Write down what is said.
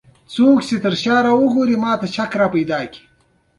آیا د پښتنو په سیمو کې ګودر د اوبو ځای نه دی؟